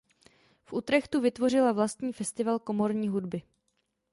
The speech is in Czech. V Utrechtu vytvořila vlastní festival komorní hudby.